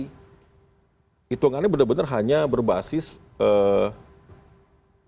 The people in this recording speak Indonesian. hitungannya benar benar hanya berbasis upah yang berlaku hari ini